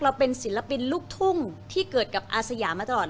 เราเป็นศิลปินลูกทุ่งที่เกิดกับอาสยามาตลอด